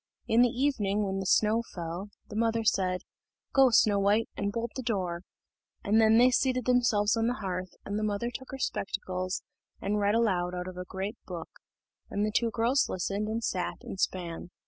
In the evening, when the snow fell, the mother said, "Go, Snow white, and bolt the door;" and then they seated themselves on the hearth, and the mother took her spectacles, and read aloud out of a great book, and the two girls listened, and sat and span.